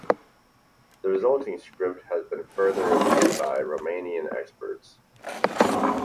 The resulting script has been further reviewed by Romanian experts.